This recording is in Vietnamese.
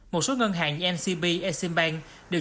một số ngân hàng như ncb eximbank đều chịu tăng lãi suất